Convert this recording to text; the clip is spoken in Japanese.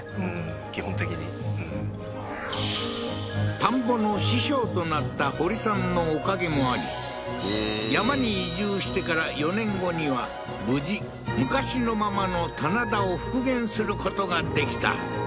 田んぼの師匠となった堀さんのおかげもあり山に移住してから４年後には無事昔のままの棚田を復元することができた